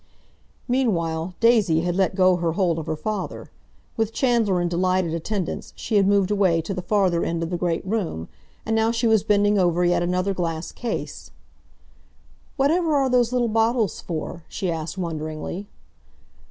Meanwhile, Daisy had let go her hold of her father. With Chandler in delighted attendance, she had moved away to the farther end of the great room, and now she was bending over yet another glass case. "Whatever are those little bottles for?" she asked wonderingly.